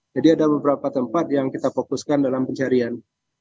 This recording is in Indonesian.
jadi ada beberapa tempat yang kita fokuskan dalam pencarian